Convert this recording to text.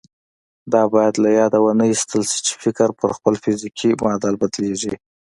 دا بايد له ياده ونه ايستل شي چې فکر پر خپل فزيکي معادل بدلېږي.